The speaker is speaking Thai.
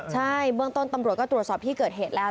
ใช่เบื้องต้นตำรวจก็ตรวจสอบที่เกิดเหตุแล้ว